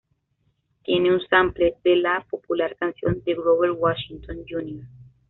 Tiene un "sample" de la popular canción de Grover Washington, Jr.